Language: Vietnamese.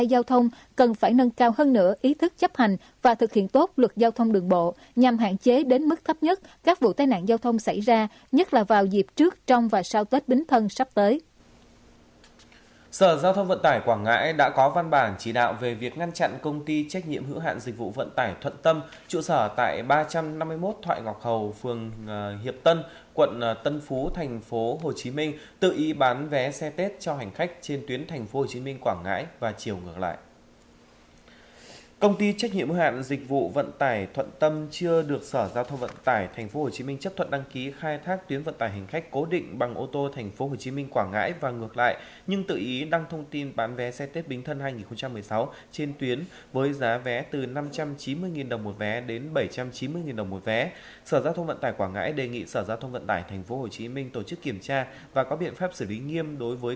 công ty trách nhiệm hữu hạn dịch vụ vận tải một mươi một xe taxi công ty trách nhiệm hữu hạn dịch vụ vận tải và thương mại việt bắc tám xe taxi